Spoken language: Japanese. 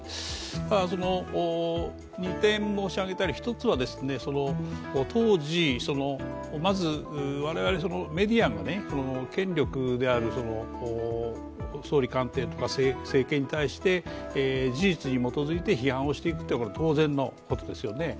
ただ、２つ申し上げたいうちの１つは当時、まず我々メディアも権力である総理官邸とか政権に対して、事実に基づいて批判をしていくというのは当然のことですよね。